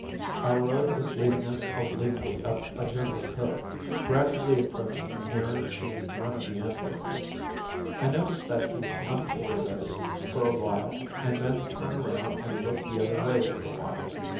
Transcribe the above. Our road was leading us obliquely up a gentle hill, gradually approaching nearer to one of the antelopes. I noticed that he would come toward us for a while and then turn around and look the other way for a while.